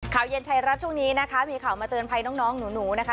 ข่าวเย็นไทยรัฐช่วงนี้นะคะมีข่าวมาเตือนภัยน้องหนูนะคะ